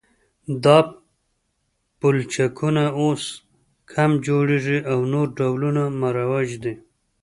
دا پلچکونه اوس کم جوړیږي او نور ډولونه مروج دي